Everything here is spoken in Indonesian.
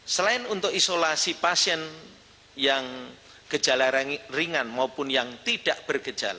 selain untuk isolasi pasien yang gejala ringan maupun yang tidak bergejala